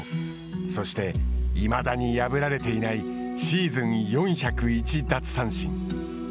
そして、いまだに破られていないシーズン４０１奪三振。